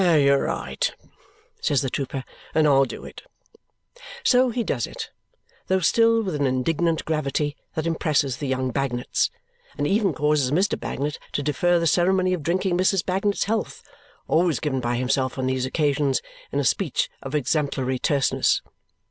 "You're right," says the trooper, "and I'll do it." So he does it, though still with an indignant gravity that impresses the young Bagnets, and even causes Mr. Bagnet to defer the ceremony of drinking Mrs. Bagnet's health, always given by himself on these occasions in a speech of exemplary terseness.